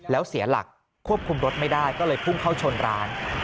แล้วเสียหลักควบคุมรถไม่ได้ก็เลยพุ่งเข้าชนร้าน